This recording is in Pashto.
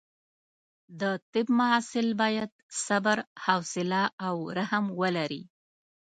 د طب محصل باید صبر، حوصله او رحم ولري.